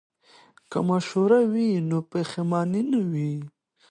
که مشوره وي نو پښیمانی نه وي.